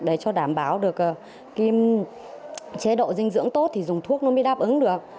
để cho đảm bảo được cái chế độ dinh dưỡng tốt thì dùng thuốc nó mới đáp ứng được